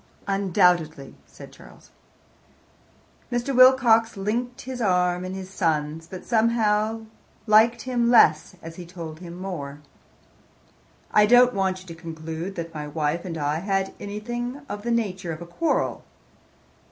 "Undoubtedly," said Charles. Mr. Wilcox linked his arm in his son's, but somehow liked him less as he told him more. "I don't want you to conclude that my wife and I had anything of the nature of a quarrel.